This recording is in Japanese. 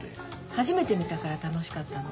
初めて見たから楽しかったの。